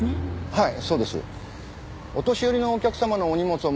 はい。